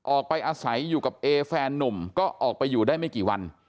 ออกไปอาศัยอยู่กับเอแฟนนุ่มก็ออกไปอยู่ได้ไม่กี่วัน